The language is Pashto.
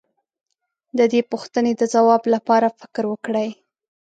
د دې پوښتنې د ځواب لپاره فکر وکړئ.